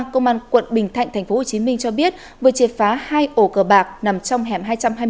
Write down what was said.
công an quận bình thạnh tp hcm cho biết vừa triệt phá hai ổ cờ bạc nằm trong hẻm hai trăm hai mươi